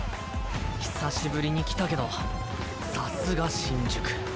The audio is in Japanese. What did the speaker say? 久しぶりに来たけどさすが新宿。